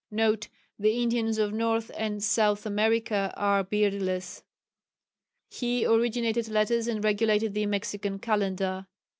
(N.B. The Indians of North and South America are beardless.) He originated letters and regulated the Mexican calendar.